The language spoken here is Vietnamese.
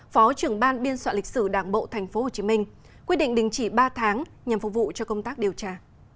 phó trưởng ban biên soạn lịch sử đảng bộ tp hcm quyết định đình chỉ ba tháng nhằm phục vụ cho công tác điều tra